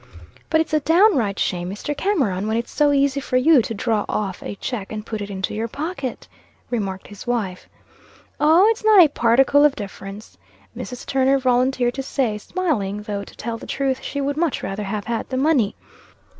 "But it's a downright shame, Mr. Cameron, when it's so easy for you to draw off a check and put it into your pocket," remarked his wife. "O, it's not a particle of difference," Mrs. Turner volunteered to say, smiling though, to tell the truth, she would much rather have had the money.